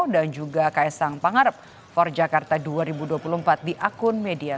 dan juga kaisang pangarap for jakarta dua ribu dua puluh empat di akun media